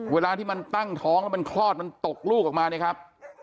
เวลาที่มันตั้งท้องแล้วมันคลอดมันตกลูกออกมาเนี่ยครับ